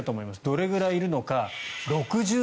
どれくらいいるのか。